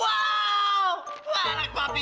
wah anak papi